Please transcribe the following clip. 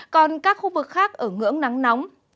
còn các khu vực khác ở ngưỡng nắng nóng